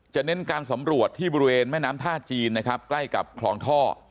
เน้นการสำรวจที่บริเวณแม่น้ำท่าจีนนะครับใกล้กับคลองท่อ